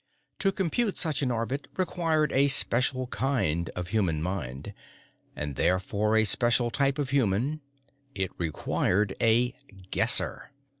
To compute such an orbit required a special type of human mind, and therefore a special type of human. It required a Guesser.